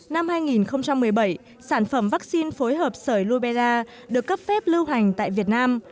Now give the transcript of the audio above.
năm hai nghìn một mươi bảy sản phẩm vaccine phối hợp sởi luberra được cấp phép lưu hành tại việt nam